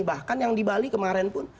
bahkan yang di bali kemarin pun